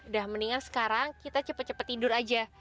dah mendingan sekarang kita cepet cepet tidur aja